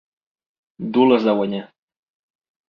Dur les de guanyar.